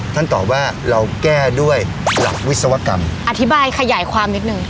ตอบว่าเราแก้ด้วยหลักวิศวกรรมอธิบายขยายความนิดหนึ่ง